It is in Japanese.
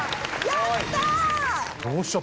やったー！